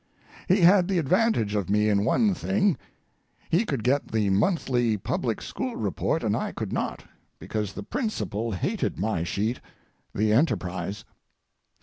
He had the advantage of me in one thing: he could get the monthly public school report and I could not, because the principal hated my sheet—the 'Enterprise'.